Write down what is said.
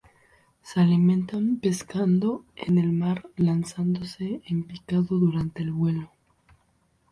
Se alimentan pescando en el mar lanzándose en picado durante el vuelo.